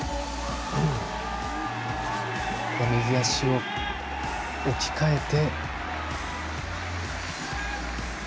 右足を置き換えて。